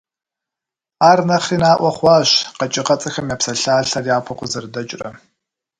Ар нэхъри наӏуэ хъуащ «Къэкӏыгъэцӏэхэм я псалъалъэр» япэу къызэрыдэкӏрэ.